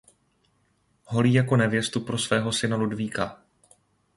Holý jako nevěstu pro svého syna Ludvíka.